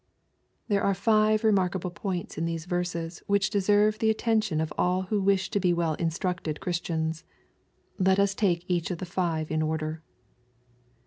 THERFi are five remarkable poiats ia these verses which deserve the attention of all who wish to be well instructed Christians. Let us take each of the five in order.